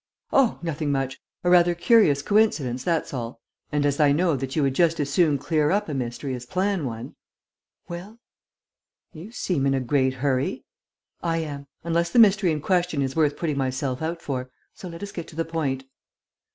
"Oh, nothing much: a rather curious coincidence, that's all. And, as I know that you would just as soon clear up a mystery as plan one...." "Well?" "You seem in a great hurry!" "I am ... unless the mystery in question is worth putting myself out for. So let us get to the point."